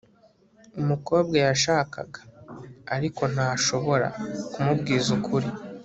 umukobwa yashakaga, ariko ntashobora, kumubwiza ukuri